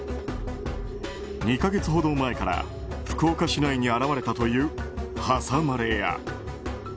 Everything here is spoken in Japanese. ２か月ほど前から福岡市内に現れたという挟まれ屋。